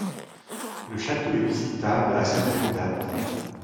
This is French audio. Le château est visitable à certaines dates.